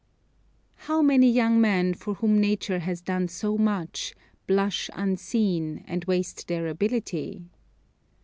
How many young men for whom nature has done so much, "blush unseen," and waste their ability.